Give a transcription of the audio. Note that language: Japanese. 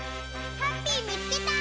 ハッピーみつけた！